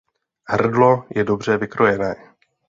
Hrdlo je dobře vykrojené.